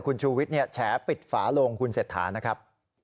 คุณชูวิทย์แฉปิดฝาโลงคุณเศรษฐานะครับ